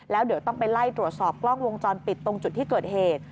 แล้วเดี๋ยวต้องไปไล่ตรวจสอบกล้องวงจรปิดตรงจุดที่เกิดเหตุ